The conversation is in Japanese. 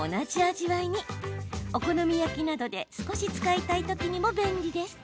お好み焼きなどで少し使いたい時にも便利です。